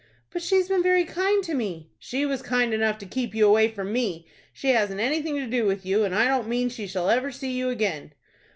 "But she's been very kind to me." "She was kind enough to keep you away from me, she hasn't anything to do with you, and I don't mean she shall ever see you again."